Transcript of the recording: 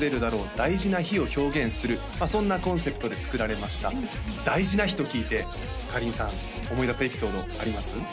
大事な日を表現するそんなコンセプトで作られました大事な日と聞いてかりんさん思い出すエピソードあります？